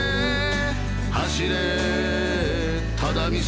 「走れ只見線」